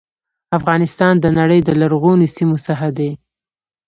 افغانستان د نړی د لرغونو سیمو څخه دی.